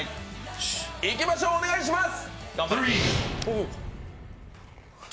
いきましょう、お願いします。